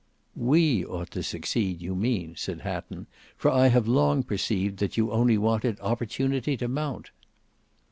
"We ought to succeed you mean," said Hatton, "for I have long perceived that you only wanted opportunity to mount."